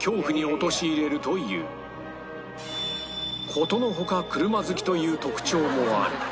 殊の外車好きという特徴もある